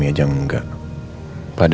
buat gua pabrik apa ya